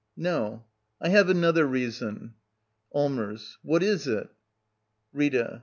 No, I have another reason. Allmers. What is it? Rita.